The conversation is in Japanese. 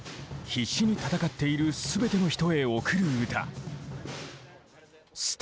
必死に戦っている全ての人へ贈る歌。